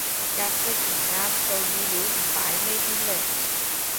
格式唔啱做語料唔擺呢邊嘞